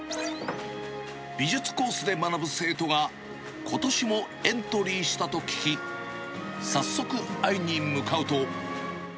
美術コースで学ぶ生徒がことしもエントリーしたと聞き、早速、会いに向かうと。